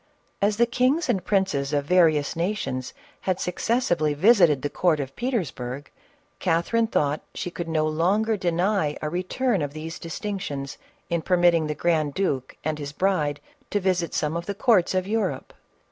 As the kings and princes of various nations had succes sively visited the court of Petersburg, Catherine thought she could no longer deny a return of these distinctions, in permitting the grand duke and his bride to visit some of the courts of Europe.